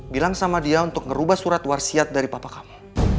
bilang sama dia untuk merubah surat warsiat dari papa kamu